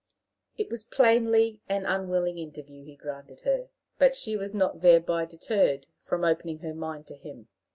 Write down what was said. It was plainly an unwilling interview he granted her, but she was not thereby deterred from opening her mind to him.